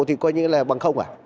thì coi như là bằng không hả